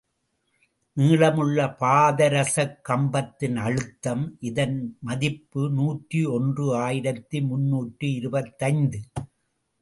நீளமுள்ள பாதரசக் கம்பத்தின் அழுத்தம், இதன் மதிப்பு நூற்றி ஒன்று ஆயிரத்து முன்னூற்று இருபத்தைந்து.